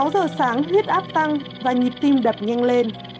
sáu giờ sáng huyết áp tăng và nhịp tim đập nhanh lên